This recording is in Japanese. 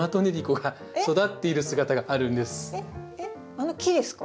あの木ですか？